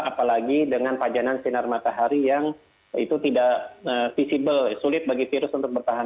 apalagi dengan pajanan sinar matahari yang itu tidak visible sulit bagi virus untuk bertahan